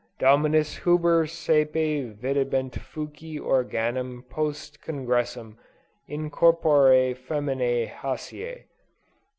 Dominus Huber sæpe videbat fuci organum post congressum, in corpore feminæ hæsisse.